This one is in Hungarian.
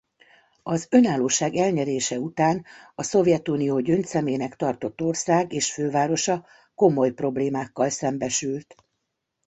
Az önállóság elnyerése után a Szovjetunió gyöngyszemének tartott ország és fővárosa komoly problémákkal szembesült.